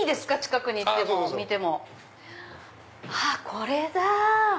これだ！